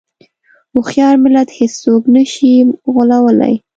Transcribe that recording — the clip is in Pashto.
هوښیار ملت هېڅوک نه شي غولوی.